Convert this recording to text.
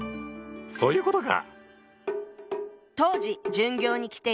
そういうことか！